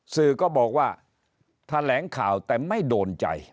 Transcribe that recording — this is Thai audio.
สื่อก็บอกว่าแถลงข่าวแต่ไม่โดนใจ